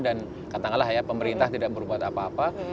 katakanlah ya pemerintah tidak berbuat apa apa